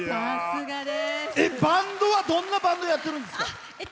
バンドは、どんなバンドやってるんですか？